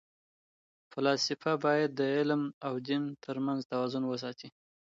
فلاسفه باید د علم او دین ترمنځ توازن وساتي.